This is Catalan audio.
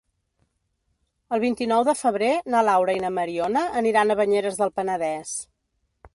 El vint-i-nou de febrer na Laura i na Mariona aniran a Banyeres del Penedès.